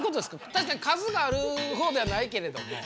確かに数がある方ではないけれども。